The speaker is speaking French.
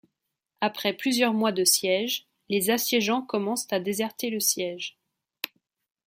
Après plusieurs mois de siège, les assiégeants commencent à déserter le siège.